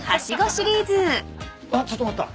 あっちょっと待った。